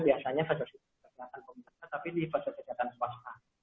biasanya proses kesehatan pemerintah tapi di proses kesehatan swasta